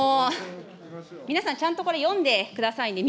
皆さん、ちゃんとこれ、読んでくださいね。